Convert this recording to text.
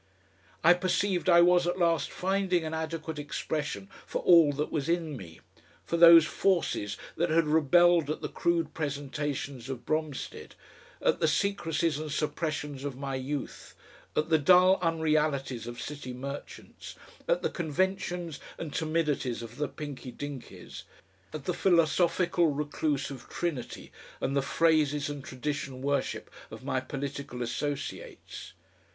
I perceived I was at last finding an adequate expression for all that was in me, for those forces that had rebelled at the crude presentations of Bromstead, at the secrecies and suppressions of my youth, at the dull unrealities of City Merchants, at the conventions and timidities of the Pinky Dinkys, at the philosophical recluse of Trinity and the phrases and tradition worship of my political associates.